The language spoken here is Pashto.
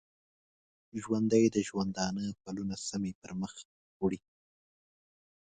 ژوندي د ژوندانه پلونه سمی پرمخ وړي